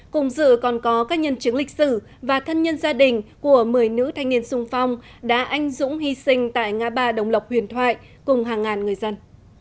cùng dự còn có các nhân chứng lịch sử và thân nhân gia đình của một mươi nữ thanh niên sung phong đã anh dũng hy sinh tại ngã ba đồng lộc huyền thoại cùng hàng ngàn người dân